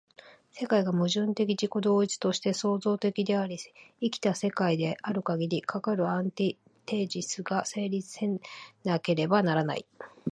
世界が矛盾的自己同一として創造的であり、生きた世界であるかぎり、かかるアンティテージスが成立せなければならない。